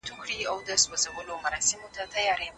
که درس ستونزمن وي نو ښوونکی باید لاره بدله کړي.